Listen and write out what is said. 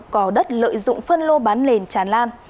cò đất lợi dụng phân lô bán nền tràn lan